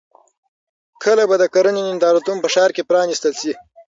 کله به د کرنې نندارتون په ښار کې پرانیستل شي؟